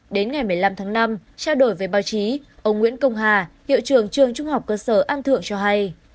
đến ngày một mươi năm tháng năm trao đổi với báo chí ông nguyễn công hà hiệu trưởng trường trung học cơ sở an thượng cho hay